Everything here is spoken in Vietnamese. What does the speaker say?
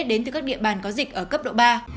đến từ các địa bàn có dịch ở cấp độ ba